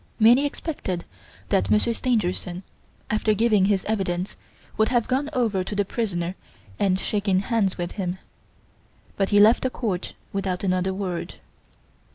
Many expected that Monsieur Stangerson, after giving his evidence, would have gone over to the prisoner and shaken hands with him; but he left the court without another word.